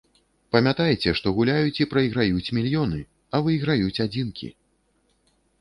Памятайце, што гуляюць і прайграюць мільёны, а выйграюць адзінкі.